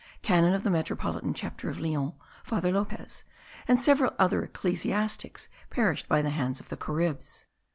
canon of the metropolitan chapter of Lyon, Father Lopez, and several other ecclesiastics, perished by the hands of the Caribs.